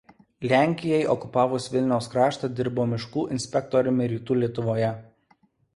Lenkijai okupavus Vilniaus kraštą dirbo miškų inspektoriumi Rytų Lietuvoje.